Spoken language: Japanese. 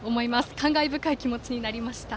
感慨深い気持ちになりました。